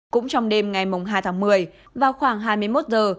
cũng trong đêm ngày hai tháng một mươi vào khoảng hai mươi một giờ